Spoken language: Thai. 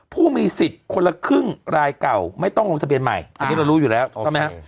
ผู้มีสิทธิ์คนละครึ่งรายเก่าไม่ต้องลงทะเบียนใหม่อันนี้เรารู้อยู่แล้วใช่ไหมครับ